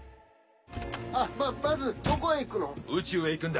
あっババズどこへ行くの？